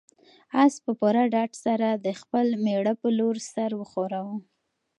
آس په پوره ډاډ سره د خپل مېړه په لور سر وښوراوه.